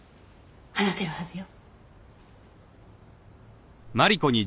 話せるはずよ。